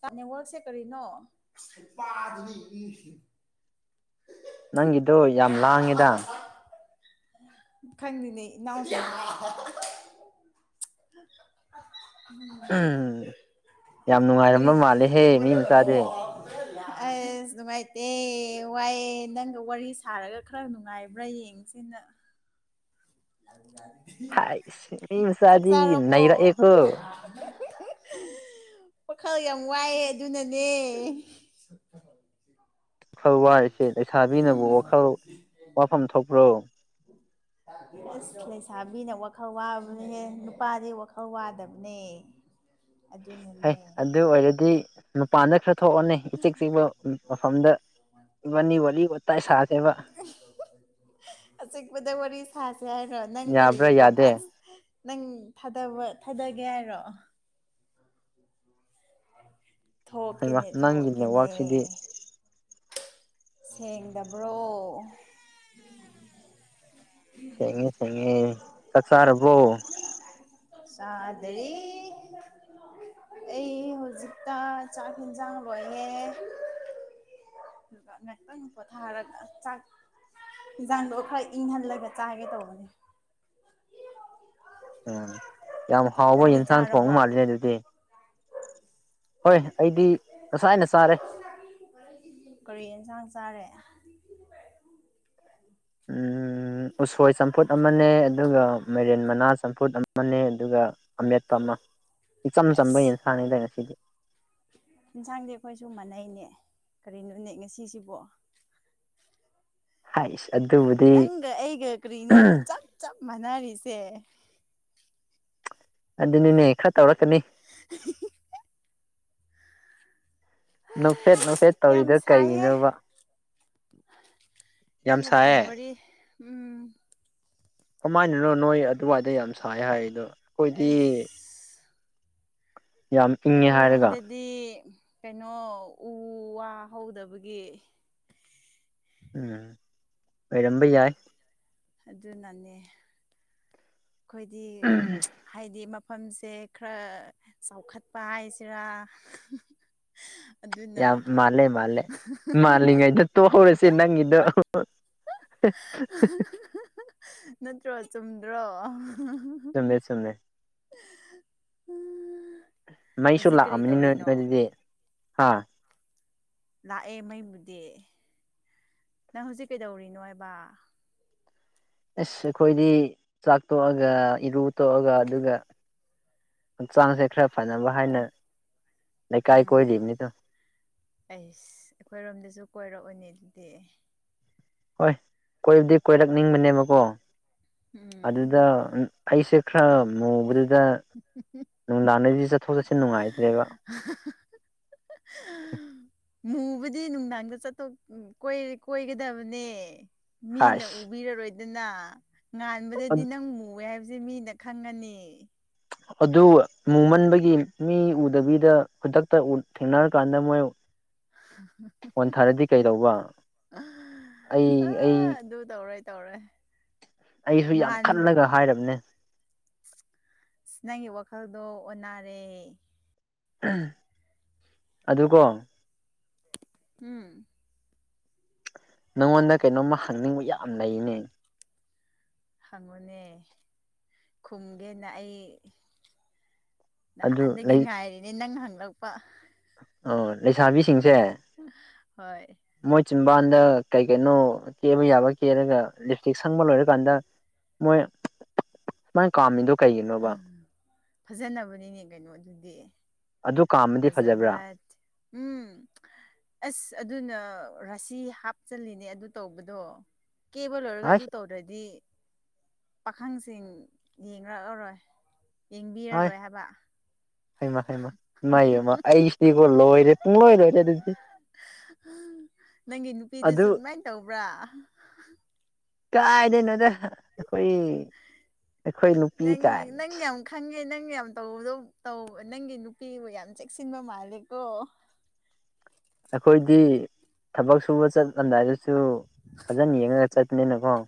ꯆꯥꯅꯤꯋꯜꯁꯦ ꯀꯔꯤꯅꯣ [unintelligible] ꯅꯪꯒꯤꯗꯣ ꯌꯥꯝ ꯂꯥꯡꯉꯦꯗ [unintelligible] ꯈꯪꯉꯅꯦ ꯏꯅꯥꯎ [unintelligible] ꯎꯝ ꯌꯥꯝ [unintelligible] ꯅꯨꯡꯉꯥꯏꯔꯝꯕ ꯃꯥꯜꯂꯦꯍꯦ ꯃꯤ ꯃꯆꯥꯗꯤ ꯑꯁ ꯅꯨꯉꯥꯢꯇꯦ꯫ ꯋꯥꯏꯌꯦ ꯅꯪꯒ ꯋꯥꯔꯤ ꯁꯥꯔꯒ ꯈꯔ ꯅꯨꯡꯉꯥꯏꯕ꯭ꯔꯥ ꯌꯦꯡꯁꯦꯅ꯫ ꯍꯥꯏꯁ ꯃꯤ ꯆꯥꯛ ꯃꯆꯥꯗꯤ ꯆꯥꯔꯕꯣ ꯅꯩꯔꯛꯑꯦꯀꯣ [unintelligible] ꯋꯥꯈꯜ ꯌꯥꯝ ꯋꯥꯏꯑꯦ ꯑꯗꯨꯅꯅꯦ꯫ ꯊꯋꯥꯢꯁꯦ ꯂꯩꯁꯥꯕꯤꯅꯕꯨ ꯋꯥꯈꯜ ꯋꯥꯐꯝ ꯊꯣꯛꯄ꯭ꯔꯣ꯫ ꯑꯁ ꯂꯩꯁꯥꯕꯤꯅ ꯋꯥꯈꯜ ꯋꯥꯕꯅꯦꯍꯦ ꯅꯨꯄꯥꯗꯤ ꯋꯥꯈꯜ ꯋꯥꯗꯕꯅꯦ꯫ [unintelligible] ꯑꯗꯨꯅꯦ꯫ ꯍꯩꯠ ꯑꯗꯨ ꯑꯣꯏꯔꯗꯤ ꯃꯄꯥꯟꯗ ꯈꯔ ꯊꯣꯛꯑꯣꯅꯦ ꯏꯆꯤꯛ ꯆꯤꯛꯄ ꯑ ꯎ ꯃꯐꯝꯗ ꯏꯕꯅꯤ ꯋꯥꯔꯤ ꯋꯥꯇꯥꯏ ꯁꯥꯁꯦꯕ꯫ ꯑꯆꯤꯛꯄꯗ ꯋꯥꯔꯤ ꯁꯥꯁꯦ ꯍꯥꯏꯔꯣ ꯅꯪ ꯀꯔꯤ ꯌꯥꯕ꯭ꯔꯥ ꯌꯥꯗꯦ ꯔꯣꯃꯥꯟꯁ ꯅꯪ ꯊꯥꯗꯕ ꯊꯥꯗꯒꯦ ꯍꯥꯏꯔꯣ꯫ ꯍꯩꯃꯥ ꯊꯣꯛꯀꯦꯅꯦ ꯅꯪꯒꯤ ꯊꯣꯛꯀꯦꯅꯦ꯫ ꯅꯦꯠꯋꯥꯛꯁꯤꯗꯤ ꯁꯦꯡꯗꯕ꯭ꯔꯣ꯫ ꯁꯦꯡꯉꯦ ꯁꯦꯡꯉꯦ ꯆꯥꯛ ꯆꯥꯔꯕꯣ꯫ ꯆꯥꯗ꯭ꯔꯤ꯫ ꯑꯩ ꯍꯨꯖꯤꯛꯇ ꯆꯥꯛ ꯍꯤꯟꯖꯥꯡ ꯂꯣꯏꯌꯦ꯫ ꯗꯨꯒ ꯉꯥꯛꯇꯪ ꯄꯣꯊꯥꯔꯒ ꯆꯥꯛ ꯍꯤꯟꯁꯥꯡꯗꯣ ꯈꯔ ꯏꯪꯍꯜꯂꯒ ꯆꯥꯒꯦ ꯇꯧꯕꯅꯦ꯫ ꯎꯝ ꯌꯥꯝ ꯍꯥꯎꯕ ꯅꯪꯗꯤ ꯌꯦꯟꯁꯥꯡ ꯊꯣꯡ ꯆꯥꯔꯕꯣ ꯃꯥꯜꯂꯦ ꯗꯨꯗꯤ꯫ ꯍꯣꯏ ꯑꯩꯗꯤ ꯉꯁꯥꯏꯅ ꯆꯥꯔꯦ꯫ [unintelligible] ꯀꯔꯤ ꯑꯦꯟꯁꯥꯡ ꯆꯥꯔꯦ꯫ ꯎꯝ꯫ ꯎꯝ ꯎꯁꯣꯏ ꯆꯝꯐꯨꯠ ꯑꯃꯅꯦ ꯑꯗꯨꯒ ꯃꯔꯦꯟ ꯃꯅꯥ ꯆꯝꯐꯨꯠ ꯑꯃꯅꯦ ꯑꯗꯨꯒ ꯑꯃꯦꯠꯄ ꯑꯃ ꯏꯆꯝ ꯆꯝꯕ ꯌꯦꯟꯁꯥꯡꯅꯤꯗ ꯉꯁꯤꯗꯤ꯫ ꯏꯟꯁꯥꯡꯗꯤ ꯑꯩꯈꯣꯏꯁꯨ ꯃꯥꯟꯅꯩꯅꯦ ꯀꯔꯤꯅꯣꯅꯦ ꯉꯁꯤꯁꯤꯕꯣ꯫ ꯍꯥꯏꯁ꯫ ꯑꯗꯨꯕꯨꯗꯤ ꯅꯪꯒ ꯑꯩꯒ ꯀꯔꯤꯅꯣꯃ ꯆꯞ ꯆꯞ ꯃꯥꯟꯅꯔꯤꯁꯦ꯫ ꯑꯗꯨꯅꯦꯅꯦ ꯈꯔ ꯇꯧꯔꯛꯀꯅꯤ꯫ [unintelligible] ꯅꯣꯛꯐꯦꯠ ꯅꯣꯛꯐꯦꯠ ꯌꯥꯝ ꯇꯧꯔꯤꯗꯣ ꯁꯥꯏꯍꯦ ꯀꯩꯉꯤꯅꯣꯕ꯫ ꯅꯪꯒ ꯐꯣꯟ ꯁꯥꯏꯌꯦ ꯋꯥꯔꯤ ꯎꯝ ꯀꯃꯥꯏꯅꯅꯣ ꯅꯣꯏ ꯑꯗꯨꯋꯥꯏꯗ ꯌꯥꯝ ꯁꯥꯏ ꯍꯥꯏꯗꯣ ꯑꯩꯈꯣꯏꯗꯤ ꯑꯁ ꯌꯥꯝ ꯏꯪꯉꯦ ꯑꯩꯈꯣꯏꯔꯣꯝ ꯍꯥꯏꯔꯒ ꯗꯗꯤ ꯀꯩꯅꯣ ꯎ ꯋꯥ ꯍꯧꯗꯕꯒꯤ ꯎꯝ ꯑꯣꯏꯔꯝꯕ ꯌꯥꯏ ꯑꯗꯨꯅꯅꯦ ꯑꯩꯈꯣꯏꯗꯤ ꯍꯥꯏꯗꯤ ꯃꯐꯝꯁꯦ ꯈꯔ ꯆꯥꯎꯈꯠꯄ ꯍꯥꯏꯁꯤꯔꯥ ꯑꯗꯨꯅ ꯌꯥꯝ ꯃꯥꯂꯦ ꯃꯥꯂꯦ ꯃꯥꯜꯂꯤ ꯉꯥꯏꯗ ꯊꯣꯛꯍꯧꯔ꯭ꯁꯦ ꯅꯪꯒꯤꯗꯣ ꯅꯠꯇ꯭ꯔꯣ ꯆꯨꯝꯗ꯭ꯔꯣ ꯆꯨꯨꯝꯃꯦ ꯆꯨꯨꯝꯃꯦ ꯍꯥ ꯑꯥ ꯃꯩꯁꯨ ꯂꯥꯛꯑꯝꯅꯤ ꯅꯣꯏ ꯅꯣꯏ ꯑꯗꯨꯗꯤ ꯍꯥꯥ ꯂꯥꯛꯑꯦ ꯃꯩꯕꯨꯗꯤ ꯅꯪ ꯍꯧꯖꯤꯛ ꯀꯩꯗꯧꯔꯤꯅꯣ ꯍꯥꯏꯕ ꯑꯁ ꯑꯩꯈꯣꯏꯗꯤ ꯆꯥꯛ ꯇꯣꯛꯑꯒ ꯏꯔꯨ ꯇꯣꯛꯑꯒ ꯑꯗꯨꯒ ꯍꯛꯆꯥꯡꯁꯦ ꯈꯔ ꯐꯅꯕ ꯍꯥꯏꯅ ꯂꯩꯀꯥꯏ ꯎꯝ ꯀꯣꯏꯔꯤꯕꯅꯤꯗ ꯑꯩꯁ ꯑꯩꯈꯣꯏꯔꯣꯝꯗꯁꯨ ꯀꯣꯏꯔꯛꯑꯣꯅꯦ ꯑꯗꯨꯗꯤ ꯍꯣꯏ ꯀꯣꯏꯕꯗꯤ ꯀꯣꯏꯔꯛꯅꯤꯡꯕꯅꯦꯕꯀꯣ ꯎꯝ ꯑꯗꯨꯗ ꯑꯩꯁꯦ ꯈꯔ ꯃꯨꯕꯗꯨꯗ ꯅꯨꯡꯗꯥꯡꯗꯗꯤ ꯆꯠꯊꯣꯛ ꯆꯠꯁꯤꯟ ꯅꯨꯡꯉꯥꯏꯇ꯭ꯔꯦꯕ [unintelligible] ꯃꯨꯕꯨꯗꯤ ꯅꯨꯡꯗꯥꯡꯗ ꯆꯊꯣꯛ ꯀꯣꯏ ꯀ‌ꯣꯏꯒꯗꯕꯅꯦ ꯃꯤꯅ ꯍꯥꯏꯁ ꯎꯕꯤꯔꯔꯣꯏꯗꯅ ꯉꯥꯟꯕꯗꯗꯤ ꯅꯪ ꯃꯨꯑꯦ ꯍꯥꯏꯕꯁꯦ ꯃꯤꯅ ꯈꯪꯉꯅꯤ ꯑꯗꯨ ꯃꯨꯃꯟꯕꯒꯤ ꯃꯤ ꯎꯗꯕꯤꯗ ꯈꯨꯗꯛꯇ ꯊꯦꯡꯅꯔꯀꯥꯟꯗ ꯃꯣꯏ ꯐꯣꯟ ꯊꯥꯔꯗꯤ ꯀꯩꯗꯧꯕ ꯑ ꯑꯩ ꯑꯩ ꯑꯗꯨ ꯇꯧꯔ‌ꯣꯏ ꯇꯧꯔ‌ꯣꯏ ꯑꯩꯁꯨ ꯌꯥꯝ ꯉꯍꯥꯟ ꯈꯜꯂꯒ ꯍꯥꯏꯔꯕꯅꯦ ꯑꯁ ꯅꯪꯒꯤ ꯋꯥꯈꯜꯗꯣ ꯑꯣꯟꯅꯔꯦ ꯑꯗꯨ ꯀꯣ ꯎꯝ ꯅꯪꯉꯣꯟꯗ ꯀꯩꯅꯣꯝꯃ ꯍꯪꯅꯤꯡꯕ ꯌꯥꯝ ꯂꯩꯅꯦ ꯍꯪꯉꯨꯅꯦ ꯈꯨꯝꯒꯦꯅ ꯑꯩ ꯑꯗꯨ ꯅꯍꯥꯟꯗꯒꯤ ꯉꯥꯏꯔꯤꯅꯦ ꯅꯪ ꯍꯪꯂꯛꯄ ꯑꯣ ꯂꯩꯁꯥꯕꯤꯁꯤꯡꯁꯦ ꯍꯣꯏ ꯃꯣꯏ ꯆꯤꯝꯕꯥꯟꯗ ꯀꯩ ꯀꯩꯅꯣ ꯀꯦꯕ ꯌꯥꯕ ꯀꯦꯂꯒ ꯂꯤꯞ ꯏꯁꯇꯤꯛ ꯁꯪꯕ ꯂꯣꯏꯔꯀꯥꯟꯗ ꯃꯣꯏ ꯁꯨꯃꯥꯏ ꯀꯥꯝꯃꯤꯗꯣ ꯀꯩꯒꯤꯅꯣꯕ ꯐꯖꯅꯕꯅꯤꯅꯦ ꯀꯩꯅꯣ ꯑꯗꯨꯗꯤ ꯑꯗꯨ ꯀꯥꯝ ꯐꯖꯕ꯭ꯔꯥ ꯎꯝ ꯑꯁ ꯑꯗꯨꯅ ꯔꯥꯁꯤ ꯍꯥꯞꯆꯜꯂꯤꯅꯦ ꯑꯗꯨ ꯇꯧꯕꯗꯣ ꯀꯦꯕ ꯂꯣꯏꯔꯒ ꯑꯗꯨ ꯑꯁ ꯇꯧꯗ꯭ꯔꯗꯤ ꯄꯥꯈꯪꯁꯤꯡ ꯌꯦꯡꯔꯛ ꯑꯔꯣꯏ ꯌꯦꯡꯕꯤ ꯔꯥꯔꯣꯏ ꯍꯥꯏꯕ ꯍꯩꯃꯥ ꯍꯩꯃꯥ ꯏꯃꯥꯏꯕꯦꯝꯃ ꯑꯩꯁꯤꯗꯤꯒꯣ ꯂꯣꯏꯔꯦ ꯄꯨꯡꯂꯣꯏ ꯂꯣꯏꯔꯦ ꯑꯗꯨꯗꯤ ꯅꯪꯒꯤ ꯅꯨꯄꯤꯗꯨꯁꯨ ꯑꯗꯨ ꯑꯗꯨꯃꯥꯏꯟ ꯇꯧꯕ꯭ꯔꯥ ꯀꯥꯏꯗꯩꯅꯣꯗ ꯑꯩꯈꯣꯏ ꯑꯩꯈꯣꯏ ꯅꯨꯄꯤ ꯅꯪ ꯀꯥꯏꯅ ꯅꯪ ꯌꯥꯝ ꯈꯪꯉꯦ ꯅꯪ ꯌꯥꯝ ꯇꯧꯕꯗꯣ ꯇꯧꯕ ꯅꯪꯒꯤ ꯅꯨꯄꯤꯕꯨ ꯌꯥꯝ ꯆꯦꯛꯁꯤꯟꯕ ꯃꯥꯜꯂꯦꯀꯣ ꯑꯩꯈꯣꯏꯗꯤ ꯊꯕꯛ ꯁꯨꯕ ꯆꯠꯂꯝꯗꯥꯏꯗꯁꯨ ꯐꯖꯅ ꯌꯦꯡꯉꯒ ꯆꯠ ꯃꯤꯅ ꯀ‌ꯣ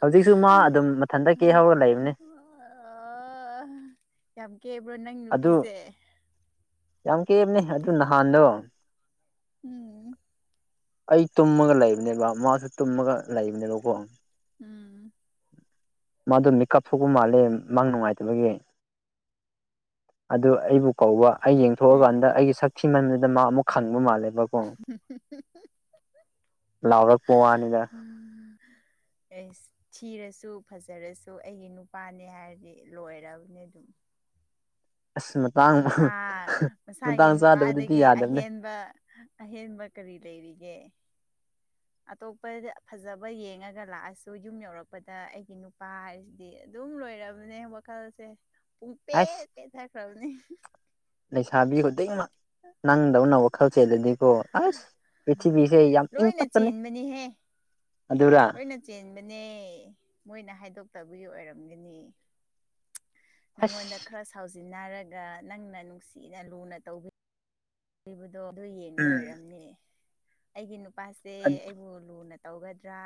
ꯍꯧꯖꯤꯛꯁꯨ ꯃꯥ ꯑꯗꯨꯝ ꯃꯊꯟꯇ ꯀꯦꯍꯧꯔꯒ ꯂꯩꯕꯅꯤ ꯑꯥ ꯌꯥꯝ ꯀꯦꯕ꯭ꯔꯣ ꯅꯪ ꯑꯗꯨ ꯅꯨꯄꯤꯁꯦ ꯌꯥꯝ ꯀꯦꯕꯅꯦ ꯑꯗꯨ ꯅꯍꯥꯟꯗꯣ ꯎꯝ ꯑꯩ ꯇꯨꯝꯃꯒ ꯂꯩꯕꯅꯦꯕ ꯃꯥꯁꯨ ꯇꯨꯝꯃꯒ ꯂꯩꯕꯅꯦꯕꯀꯣ ꯎꯝ ꯃꯥꯗꯣ ꯃꯤꯀꯞ ꯊꯣꯛꯄ ꯃꯥꯜꯂꯦ ꯃꯪ ꯅꯨꯡꯉꯥꯏꯇꯕꯒꯤ ꯑꯗꯨ ꯑꯩꯕꯨ ꯀꯧꯕ ꯑꯩ ꯌꯦꯡꯊꯣꯛꯑꯀꯥꯟꯗ ꯑꯩꯒꯤ ꯁꯛ ꯊꯤꯃꯟꯕꯗ ꯃꯥ ꯑꯃꯨꯛ ꯈꯪꯕ ꯃꯥꯜꯂꯦꯕ [unintelligible] ꯂꯥꯎꯔꯛꯄ ꯋꯥꯅꯤꯗ ꯎꯝ ꯑꯩꯁ ꯊꯤꯔꯁꯨ ꯐꯖꯔꯁꯨ ꯑꯩꯒꯤ ꯅꯨꯄꯥꯅꯦ ꯍꯥꯏꯔꯗꯤ ꯂꯣꯏꯔꯕꯅꯤ ꯑꯗꯨꯝ ꯑꯁ [unintelligible] ꯅꯨꯄꯥ ꯃꯁꯥꯒꯤ ꯃꯇꯥꯡ ꯆꯥꯗꯕꯗꯨꯗꯤ ꯅꯨꯄꯥꯗꯒꯤ ꯌꯥꯗꯕꯅꯦ ꯑꯍꯦꯟꯕ ꯑꯍꯦꯟꯕ ꯀꯔꯤ ꯂꯩꯔꯤꯒꯦ ꯑꯇꯣꯞꯄꯗ ꯐꯖꯕ ꯌꯦꯡꯉꯒ ꯂꯥꯛꯑꯁꯨ ꯌꯨꯝ ꯌꯧꯔꯛꯄꯗ ꯑꯩꯒꯤ ꯅꯨꯄꯥ ꯗꯤ ꯑꯗꯨꯝ ꯂꯣꯏꯔꯕꯅꯦ ꯋꯥꯈꯜꯁꯦ ꯄꯨꯡ ꯑꯁ ꯄꯦꯠ ꯄꯦꯠꯊꯈ꯭ꯔꯕꯅꯦ ꯂꯩꯁꯥꯕꯤ ꯈꯨꯗꯤꯡꯃꯛ ꯅꯪꯗꯧꯅ ꯋꯥꯈꯜ ꯆꯦꯜꯂꯗꯤꯀꯣ ꯑꯁ ꯄ꯭ꯔꯤꯊꯤꯕꯤꯁꯦ ꯌꯥꯝ ꯏꯪ ꯂꯣꯏꯅ ꯇꯞꯀꯅꯤ ꯑꯗꯨꯔ ꯅ ꯆꯦꯟꯕꯅꯦ ꯃꯣꯏꯅ ꯍꯥꯏꯗꯣꯛꯇꯕꯒꯤ ꯑꯣꯏꯔꯝꯒꯅꯤ ꯅꯪꯉꯣꯟꯗ ꯑꯁ ꯈꯔ ꯁꯥꯎꯖꯤꯟꯅꯔꯒ ꯅꯪꯅ ꯅꯨꯡꯁꯤꯅ ꯂꯨꯅ ꯇꯧꯕꯤ ꯗꯣ ꯑꯗꯨ ꯌꯦꯡꯕ ꯎꯝ ꯑꯣꯏꯔꯝꯅꯦ ꯑꯩꯒꯤ ꯅꯨꯄꯥꯁꯦ ꯑꯩꯕꯨ ꯂꯨꯅ ꯇꯧꯒꯗ꯭ꯔꯥ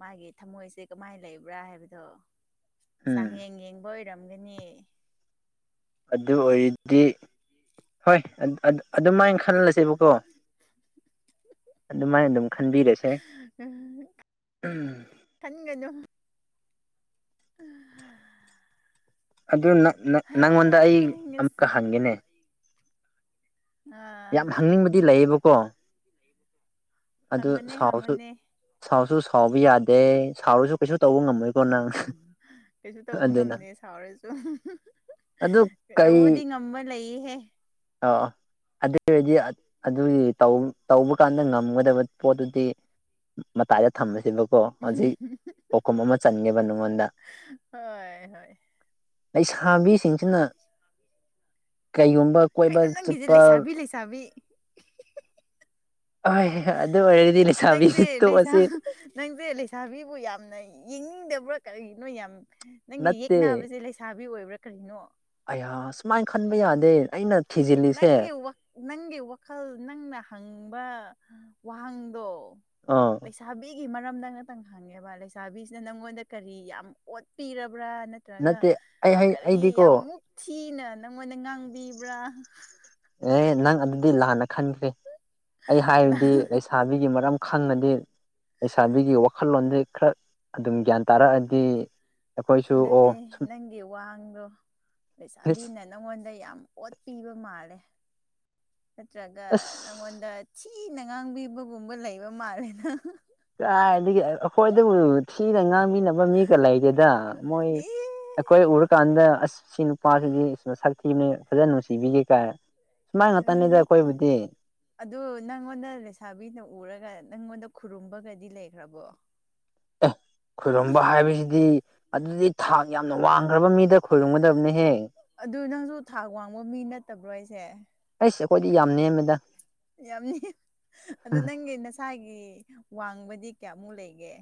ꯃꯥꯒꯤ ꯊꯃꯣꯏꯁꯦ ꯀꯃꯥꯏ ꯂꯩꯕ꯭ꯔꯥ ꯍꯥꯏꯕꯗꯣ ꯎꯝ ꯆꯥꯡꯌꯦꯡ ꯌꯦꯡꯕ ꯑꯣꯏꯔꯝꯒꯅꯤ ꯑꯗꯨ ꯑꯣꯏꯔꯗꯤ ꯍꯣꯏ ꯑꯗꯨꯃꯥꯏ ꯈꯜꯂꯁꯦꯕꯀꯣ [inaudible] ꯑꯗꯨꯃꯥꯏꯅ ꯑꯗꯨꯝ ꯈꯟꯕꯤꯔꯁꯦ ꯎꯝ ꯈꯟꯒꯅꯨ [unintelligible] ꯑꯗꯨ ꯅꯪ ꯅꯪ ꯅꯪꯉꯣꯟꯗ ꯑꯩ ꯑꯃꯨꯛꯀ ꯍꯪꯒꯦꯅꯦ ꯑꯥ ꯌꯥꯝ ꯍꯪꯅꯤꯡꯕꯗꯤ ꯂꯩꯌꯦꯕꯀꯣ ꯑꯗꯨ ꯍꯪꯕꯅꯦ ꯁꯥꯎꯁꯨ ꯍꯪꯕꯅꯦ ꯁꯥꯎꯁꯨ ꯁꯥꯎꯕ ꯌꯥꯗꯦ ꯁꯥꯎꯔꯁꯨ ꯀꯩꯁꯨ ꯇꯧꯕ ꯉꯝ ꯃꯣꯏꯀꯣ ꯅꯪ [unintelligible] ꯀꯩꯁꯨ ꯇꯧꯕ ꯑꯗꯨꯅ ꯉꯝꯗꯦ ꯁꯥꯎꯔꯁꯨ ꯑꯗꯨ ꯀꯩ ꯇꯧꯕꯗꯤ ꯉꯝꯕ ꯂꯩꯌꯦꯍꯦ ꯑ ꯑꯗꯨ ꯑꯣꯏꯔꯗꯤ ꯑꯗꯨꯒꯤ ꯇꯧ ꯇꯧꯕ ꯀꯥꯟꯗ ꯉꯝꯒ ꯗꯕ ꯄꯣꯠꯇꯨꯗꯤ ꯃꯇꯥꯏꯗ ꯊꯝꯂꯁꯦꯕꯀꯣ ꯍꯧꯖꯤꯛ ꯄꯥꯎꯈꯨꯝ ꯑꯃ ꯆꯟꯒꯦꯕ ꯅꯪꯉꯣꯟꯗ ꯍꯣꯏ ꯍꯣꯏ ꯂꯩꯁꯥꯕꯤꯁꯤꯡꯁꯤꯅ ꯀꯩꯒꯨꯝꯕ ꯀꯣꯏꯕ ꯀꯩꯅꯣ ꯅꯪꯒꯤꯖꯦ ꯆꯠꯄ ꯂꯩꯁꯥꯕꯤ ꯂꯩꯁꯥꯕꯤ ꯍꯣꯏ ꯑꯗꯨ ꯑꯣꯏꯔꯗꯤ ꯂꯩꯁꯥꯕꯤꯁꯦ ꯇꯣꯛꯑꯁꯤ ꯅꯪꯖꯦ ꯂꯩꯁꯥꯕꯤꯕꯨ ꯌꯥꯝꯅ ꯌꯦꯡꯅꯤꯡꯗꯕ꯭ꯔꯥ ꯀꯔꯤꯒꯤꯅꯣ ꯌꯥꯝ ꯅꯪꯒꯤ ꯅꯠꯇꯦ ꯌꯦꯛꯅꯕꯁꯦ ꯂꯩꯁꯥꯕꯤ ꯑꯣꯏꯕ꯭ꯔꯥ ꯀꯔꯤꯅꯣ ꯑꯌꯥ ꯁꯨꯃꯥꯏꯅ ꯈꯟꯕ ꯌꯥꯗꯦ ꯑꯩꯅ ꯊꯤꯖꯤꯜꯂꯤꯁꯦ ꯅꯪꯒꯤ ꯅꯪꯒꯤ ꯋꯥꯈꯜ ꯅꯪꯅ ꯍꯪꯕ ꯋꯥꯍꯪꯗꯣ ꯑꯥ ꯂꯩꯁꯥꯕꯤꯒꯤ ꯃꯔꯝꯗ ꯉꯥꯛꯇꯪ ꯍꯪꯉꯦꯕ ꯂꯩꯁꯥꯕꯤꯁꯤꯅ ꯅꯪꯉꯣꯟꯗ ꯀꯔꯤ ꯌꯥꯝ ꯑꯣꯠꯄꯤꯔꯕ꯭ꯔꯥ ꯅꯠꯇ꯭ꯔꯒ ꯅꯠꯇꯦ ꯑꯩ ꯍꯩ ꯀꯔꯤ ꯑꯩꯗꯤꯀꯣ ꯌꯥꯝ ꯃꯨꯛ ꯊꯤꯅ ꯅꯪꯉꯣꯟꯗ ꯉꯥꯡꯕꯤꯕ꯭ꯔꯥ ꯑꯦ ꯅꯪ ꯑꯗꯨꯗꯤ ꯂꯥꯟꯅ ꯈꯟꯈ꯭ꯔꯦ ꯑꯩ ꯍꯥꯏꯕꯗꯤ ꯂꯩꯁꯥꯕꯤꯒꯤ ꯃꯔꯝ ꯈꯪꯉꯗꯤ ꯂꯩꯥꯕꯤꯒꯤ ꯋꯥꯈꯜꯂꯣꯟꯗꯤ ꯈꯔ ꯑꯗꯨꯝ ꯒ꯭ꯌꯥꯟ ꯇꯥꯔꯛꯑꯗꯤ ꯑꯩꯈꯣꯏꯁꯨ ꯑꯣ ꯅꯠꯇꯦ ꯅꯪꯒꯤ ꯋꯥꯡꯗꯣ ꯏꯁ ꯂꯩꯩꯁꯥꯕꯤꯅ ꯅꯉꯣꯟꯗ ꯌꯥꯝ ꯑꯣꯠꯄꯤꯕ ꯃꯥꯜꯂꯦ ꯅꯠꯇ꯭ꯔꯒ ꯑꯁ ꯅꯉꯣꯟꯗ ꯁꯤꯅ ꯉꯥꯡꯕꯤꯕꯒꯨꯝꯕ ꯂꯩꯕ ꯃꯥꯜꯂꯦꯅ ꯀꯥꯏꯗꯒꯤ ꯑꯩꯈꯣꯏꯗꯕꯨ ꯊꯤꯅ ꯉꯥꯡꯃꯤꯅ ꯃꯤꯒ ꯂꯩꯒꯦꯗ ꯃꯣꯏ ꯑꯦ ꯑꯩꯈꯣꯏ ꯎꯔꯀꯥꯟꯗ ꯑꯁ ꯁꯤ ꯅꯨꯄꯥꯁꯤꯗꯤ ꯁꯤꯕꯅꯤ ꯐꯖꯅ ꯅꯨꯡꯁꯤꯕꯤꯒꯦ ꯀꯥꯏ ꯁꯨꯃꯥꯏ ꯉꯥꯛꯛꯇꯅꯤꯗ ꯑꯩꯈꯣꯏꯕꯨꯗꯤ ꯑꯗꯨ ꯅꯪꯉꯣꯟꯗ ꯂꯩꯁꯥꯕꯤꯅ ꯎꯔꯒ ꯅꯪꯉꯣꯟꯗ ꯈꯨꯔꯨꯝꯕꯒꯗꯤ ꯂꯩꯈ꯭ꯔꯕꯣ ꯈꯔꯝꯕ ꯍꯥꯏꯕꯁꯤꯗꯤ ꯑꯗꯨꯗꯤ ꯊꯥꯛ ꯌꯥꯝꯅ ꯋꯥꯡꯈ꯭ꯔꯕ ꯃꯤꯗ ꯈꯣꯏꯔꯨꯝꯒꯗꯕꯅꯦꯍꯦꯛ ꯑꯗꯨ ꯅꯪꯁꯨ ꯊꯥꯛ ꯋꯥꯡꯕ ꯃꯤ ꯅꯠꯇꯕ꯭ꯔꯣ ꯑꯩꯁꯦ ꯑꯩꯁ ꯑꯩꯈꯣꯏꯗꯤ ꯌꯥꯝ ꯅꯦꯝꯃꯦꯗ ꯌꯥꯝꯅꯤ ꯑꯗꯨꯗ ꯅꯪꯒꯤ ꯅꯁꯥꯒꯤ ꯋꯥꯡꯕꯗꯤ ꯀꯌꯥꯃꯨꯛ ꯂꯩꯒꯦ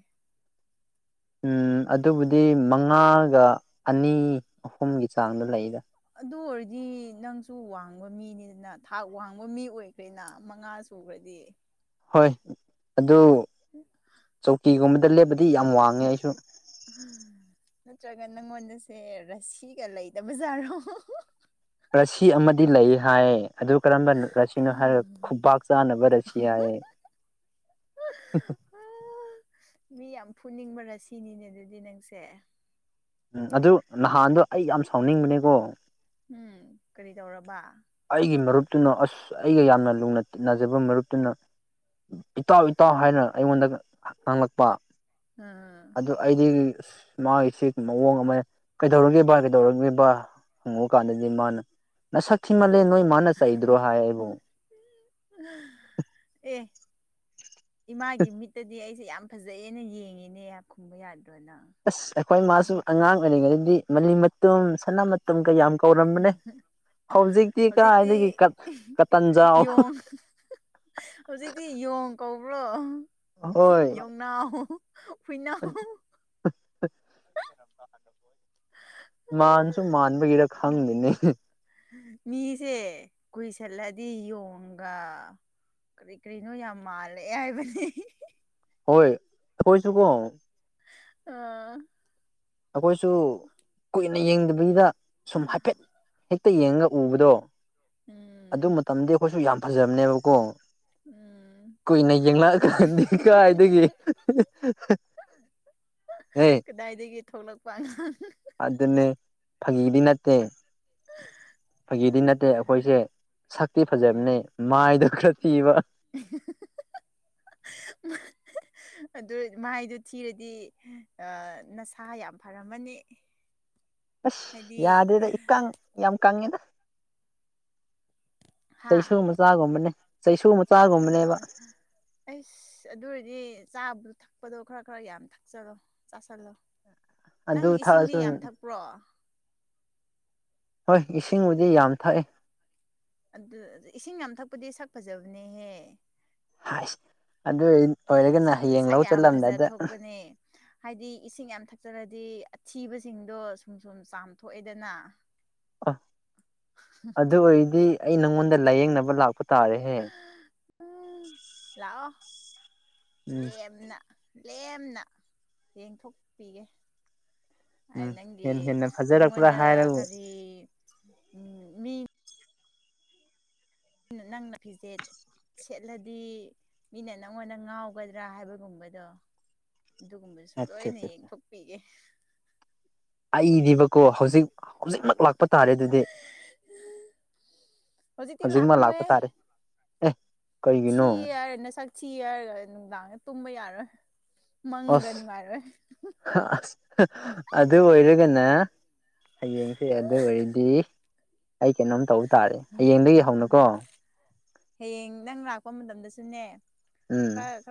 ꯎꯝ ꯑꯗꯨꯕꯨꯗꯤ ꯃꯉꯥꯒ ꯑꯅꯤ ꯑꯍꯨꯝꯒꯤ ꯆꯥꯡꯗ ꯂꯩꯒ ꯑꯗꯨ ꯑꯣꯏꯔꯗꯤ ꯅꯪꯁꯨ ꯋꯥꯡꯕ ꯃꯤꯅꯤꯗꯅ ꯊꯥꯛ ꯋꯥꯡꯕ ꯃꯤ ꯑꯣꯏꯈ꯭ꯔꯦꯅ ꯃꯉꯥꯁꯨ ꯁꯨꯕꯗꯤ ꯍꯣꯏ ꯑꯗꯨ ꯆꯧꯀꯤꯒꯨꯝꯕꯗ ꯂꯦꯞꯕꯗꯤ ꯌꯥꯝ ꯋꯥꯡꯉꯦ ꯑꯩꯁꯨ ꯅꯠꯇ꯭ꯔꯒ ꯅꯪꯉꯣꯟꯗꯁꯦ ꯔꯁꯤꯒ ꯂꯩꯗꯕꯖꯥꯔꯣ ꯔꯁꯤ ꯑꯃꯗꯤ ꯂꯩ ꯍꯥꯏ ꯑꯗꯨ ꯀꯔꯝꯕ ꯔꯁꯤꯅꯣ ꯍꯥꯏꯔꯒ ꯈꯨꯕꯥꯛ ꯆꯥꯅꯕ ꯔꯁꯤ ꯍꯥꯏꯌꯦ ꯎ ꯃꯤ ꯌꯥꯝ ꯐꯨꯅꯤꯡꯕꯔꯥ ꯁꯤꯅꯤꯅꯦ ꯑꯗꯨꯗꯤ ꯅꯪꯁꯦ ꯎꯝ ꯑꯗꯨ ꯅꯍꯥꯟꯗꯣ ꯑꯩ ꯌꯥꯝ ꯁꯥꯎꯅꯤꯡꯕꯅꯦꯀꯣ ꯎꯝ ꯀꯔꯤ ꯇꯧꯔꯕ ꯑꯩꯒꯤ ꯃꯔꯨꯞꯇꯨꯅ ꯑꯁ ꯑꯩꯒ ꯌꯥꯝꯅ ꯂꯨꯅ ꯖꯕ ꯃꯔꯨꯞꯇꯨꯅ ꯏꯇꯥꯎ ꯏꯇꯥꯎ ꯍꯥꯏꯅ ꯑꯩꯉꯣꯟꯗ ꯉꯪꯂꯛꯄ ꯎꯝ ꯑꯗꯨ ꯑꯩꯗꯤ ꯃꯥꯒꯤꯁꯤ ꯃꯑꯣꯡ ꯑꯃꯅꯦ ꯀꯩꯗꯧꯔꯦꯕ ꯀꯩꯗꯧꯔꯕ ꯍꯪꯉꯛ ꯀꯥꯟꯗꯗꯤ ꯃꯥꯅ ꯅꯁꯛꯈꯤꯃꯜꯂꯦ ꯅꯣꯏ ꯃꯥꯅ ꯆꯩꯗ꯭ꯔꯣ ꯍꯥꯏ ꯑꯩꯕꯨ ꯑꯦ ꯏꯃꯥꯒꯤ ꯃꯤꯠꯇꯗꯤ ꯑꯩꯁꯦ ꯌꯥꯝ ꯐꯖꯩꯦꯅ ꯌꯦꯡꯉꯤꯅꯦ ꯈꯨꯝꯕ ꯌꯥꯗ꯭ꯔꯣꯅꯪ ꯑꯁ ꯑꯩꯈꯣꯏ ꯃꯥꯁꯨ ꯑꯉꯥꯡ ꯑꯣꯏꯔꯤꯉꯩꯗꯗꯤ ꯃ ꯃꯇꯨꯝ ꯁꯅꯥ ꯃꯇꯨꯝ ꯀꯌꯥꯝ ꯀꯧꯔꯝꯕꯅꯦ ꯍꯧꯖꯤꯛꯇꯤ ꯍꯧꯖꯤꯛꯇꯤ ꯀꯥꯏꯗꯒꯤ ꯀꯇꯟꯖꯥꯎ ꯌꯣꯡ ꯍꯧꯖꯤꯛꯇꯤ ꯌꯣꯡ ꯀꯧꯕ꯭ꯔꯣ ꯍꯣꯏ ꯌꯣꯡꯅꯥꯎꯨ ꯍꯨꯏꯅꯥꯎ ꯃꯥꯟꯁꯨ ꯃꯥꯟꯕꯒꯤꯔ ꯈꯪꯅꯤꯅꯦ ꯃꯤꯁꯦ ꯀꯨꯏꯁꯜꯂꯗꯤ ꯌꯣꯒ ꯀꯔꯤ ꯀꯔꯤꯅꯣ ꯌꯥꯝ ꯃꯥꯜꯂꯦ ꯍꯥꯏꯕꯅꯤ ꯍꯣꯏ ꯀꯣꯏꯁꯨ ꯀꯣ ꯑꯥ ꯑꯩꯈꯣꯏꯁꯨ ꯀꯨꯏꯅ ꯌꯦꯡꯗꯕꯤꯕꯤꯗ ꯁꯨꯝ ꯍꯥꯏꯐꯦꯠ ꯍꯦꯛꯇ ꯌꯦꯡꯉꯒ ꯎꯕꯗꯣ ꯎꯝ ꯑꯗꯨ ꯃꯇꯝꯗꯤ ꯑꯩꯈꯣꯏꯁꯨ ꯌꯥꯝ ꯐꯖꯕꯅꯦꯕꯀꯣ ꯎꯝ ꯀꯨꯏꯅ ꯌꯦꯡꯂꯛꯑꯀꯥꯟꯗ ꯀꯥꯏꯗꯒꯤ ꯍꯦ ꯀꯗꯥꯏꯗꯒꯤ ꯊꯣꯛꯂꯛꯄ ꯑꯉꯥꯡ ꯑꯗꯨꯅꯦ ꯐꯥꯒꯤꯗꯤ ꯅꯠꯇꯦ ꯐꯒꯤꯗꯤ ꯅꯠꯇꯦ ꯑꯩꯈꯣꯏꯁꯦ ꯁꯛꯇꯤ ꯎꯝ ꯐꯖꯕꯅꯦ ꯃꯥꯏꯗ ꯈꯔ ꯊꯤꯕ [unintelligible] ꯑꯗꯨ ꯃꯍꯥꯏꯗꯣ ꯊꯤꯔꯗꯤ ꯅꯁꯥ ꯌꯥꯝ ꯐꯔꯝꯃꯅꯤ ꯑꯁ ꯍꯥꯏꯗꯤ ꯌꯥꯗꯦꯗ ꯏꯀꯪ ꯌꯥꯝ ꯀꯪꯉꯦꯗ ꯍꯥ ꯆꯩꯁꯨ ꯃꯆꯥꯒꯨꯝꯕꯅꯦ ꯆꯩꯁꯨ ꯃꯆꯥꯒꯨꯝꯕꯅꯦꯕ [unintelligible] ꯑꯩꯁ ꯑꯗꯨ ꯑꯣꯏꯔꯗꯤ ꯆꯥꯕꯗ ꯊꯛꯄꯗꯣ ꯈꯔ ꯈꯔ ꯌꯥꯝ ꯊꯛꯆꯜꯂꯣ ꯆꯥꯁꯤꯜꯂꯣ꯫ ꯑꯗꯨ ꯅꯪ ꯏꯁꯤꯡꯗꯤ ꯊꯛꯑꯁꯨ ꯌꯥꯝ ꯊꯛꯄ꯭ꯔꯣ꯫ ꯍꯣꯏ ꯏꯁꯤꯡꯕꯨꯗꯤ ꯌꯥꯝ ꯊꯛꯏꯦ꯫ ꯑꯗꯨ ꯏꯁꯤꯡ ꯌꯥꯝ ꯊꯛꯄꯗꯤ ꯁꯛ ꯐꯖꯕꯅꯦꯍꯦ꯫ ꯍꯥꯏ ꯑꯗꯨ ꯑꯣꯏꯔꯒꯅ ꯍꯌꯦꯡ ꯁꯛ ꯂꯧ ꯌꯥꯝ ꯐꯖ ꯆꯠꯂꯝꯗꯥꯗ__ ꯊꯣꯛꯄꯅꯦ ꯍꯥꯏꯗꯤ ꯏꯁꯤꯡ ꯌꯥꯝ ꯊꯛꯆꯔꯗꯤ ꯑꯊꯤꯕꯁꯤꯡꯗꯣ ꯁꯨꯝ ꯁꯨꯝ ꯆꯥꯝꯊꯣꯛꯑꯦꯗꯅ꯫ [unintelligible] ꯑ ꯑꯗꯨ ꯑꯣꯏꯔꯗꯤ ꯑꯩ ꯅꯪꯉꯣꯟꯗ ꯂꯥꯏꯌꯦꯡꯅꯕ ꯂꯥꯛꯄ ꯇꯥꯔꯦꯍꯦ꯫ ꯎꯝ ꯂꯥꯛꯑꯣ ꯎꯝ ꯂꯦꯝꯅ꯫ ꯂꯦꯝꯅ ꯌꯦꯡꯊꯣꯛꯄꯤꯒꯦ꯫ ꯎꯝ ꯅꯪꯒꯤ ꯍꯦꯟꯅ ꯍꯦꯟꯅ ꯐꯖꯔꯛꯄ꯭ꯔꯥ ꯅꯪꯉꯣꯟꯗ ꯍꯥꯏꯔꯕꯨ ꯀꯔꯤ ꯎ ꯃꯤ__ ꯅꯪꯅ ꯐꯤꯖꯦꯠ꯫ ꯁꯦꯠꯂꯗꯤ ꯃꯤꯅ ꯅꯪꯉꯣꯟꯗ ꯉꯥꯎꯒꯗ꯭ꯔꯥ ꯍꯥꯏꯕꯒꯨꯝꯕꯗꯣ꯫ ꯑꯗꯨꯒꯨꯝꯕꯁꯨ ꯂꯣꯏꯅ ꯑꯠꯆꯥ ꯌꯦꯡꯊꯣꯛꯄꯤꯒꯦ꯫ ꯑꯩꯕꯀꯣ ꯍꯧꯖꯤꯛ ꯍꯧꯖꯤꯛꯃꯛ ꯂꯥꯛꯄ ꯇꯥꯔꯦ ꯑꯗꯨꯗꯤ꯫ ꯍꯧꯖꯤꯛꯇꯤ ꯍꯧꯖꯤꯛꯃꯛ ꯂꯥꯛꯄ ꯂꯥꯛꯀꯅꯨꯍꯦ ꯇꯥꯔꯦ꯫ ꯑꯦ ꯊꯤ ꯀꯩꯒꯤꯅꯣ ꯍꯥꯏꯔꯦ ꯅ ꯁꯛ ꯊꯤꯦ ꯍꯥꯏꯔꯒ ꯅꯨꯡꯗꯥꯡ ꯇꯨꯝꯕ ꯌꯥꯔꯣꯏ꯫ ꯃꯪꯒ ꯅꯨꯡꯉꯥꯏꯔꯣꯏ꯫ ꯑꯗ ꯑꯣꯏꯔꯒꯅ꯫ ꯍꯌꯦꯡꯁꯦ ꯑꯗꯨ ꯑꯣꯏꯔꯗꯤ ꯑꯩ ꯀꯩꯅꯣꯝ ꯇꯧꯕ ꯇꯥꯔꯦ ꯍꯌꯦꯡꯗꯒꯤ ꯍꯧꯅꯀꯣ꯫ ꯍꯌꯦꯡ ꯅꯪ ꯂꯥꯛꯄ ꯃꯇꯝꯗꯁꯨꯅꯦ꯫ ꯎꯝ꯫ ꯈꯔ